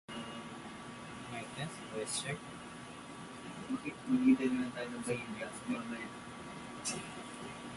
See next table for its description.